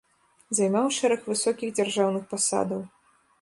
Займаў шэраг высокіх дзяржаўных пасадаў.